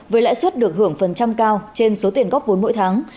với lãi suất được hưởng phần trăm cao trên số tiền góp vốn mỗi tháng